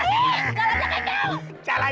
jalan jalan jalan jalan